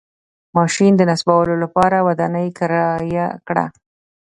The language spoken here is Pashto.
ماشین د نصبولو لپاره ودانۍ کرایه کړه.